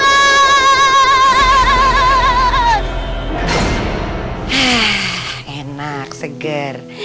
hah enak seger